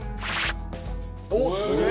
「おっすげえ！」